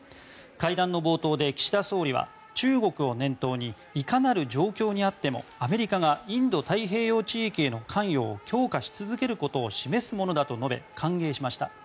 会談の冒頭で岸田総理は中国を念頭にいかなる状況にあってもアメリカがインド太平洋地域への関与を強化し続けることを示すものだと述べ歓迎しました。